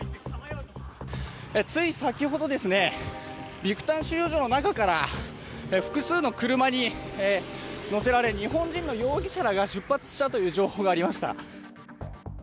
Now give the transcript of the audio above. つい先ほどですね、ビクタン収容所の中から複数の車に乗せられ日本人の容疑者らが出発したという情報がありました。